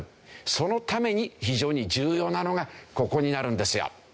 そのために非常に重要なのがここになるんですよ。